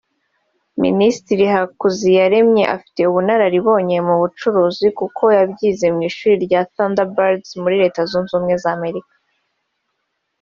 Minisitiri Hakuziraremye afite ubunararibonye mu bucuruzi kuko yabyize mu ishuri rya Thunderbird muri Leta Zunze Ubumwe za Amerika